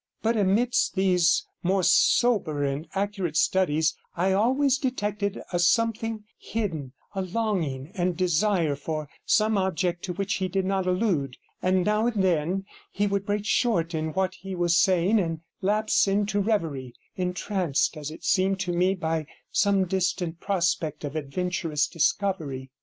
But amidst these more sober and accurate studies I always detected a something hidden, a longing and desire for some object to which he did not allude; and now and then he would break short in what he was saying and lapse into reverie, entranced, as it seemed to me, by some distant prospect of adventurous discovery.